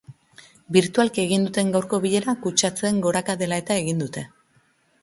Birtualki egin duten gaurko bilera kutsatzeen goraka dela eta egin dute.